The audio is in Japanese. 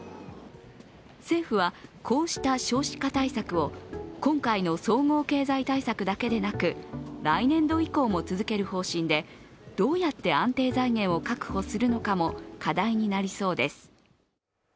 政府は、こうした少子化対策を今回の総合経済対策だけでなく来年度以降も続ける方針でどうやって安定財源を確保するかなども、課題になりそうです。